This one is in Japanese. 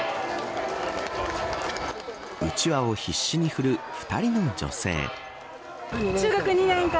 うちわを必死に振る２人の女性。